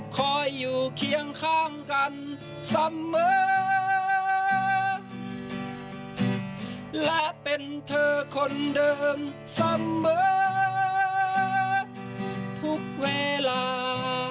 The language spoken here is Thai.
คอยอยู่เคียงข้างกันเสมอและเป็นเธอคนเดิมเสมอทุกเวลา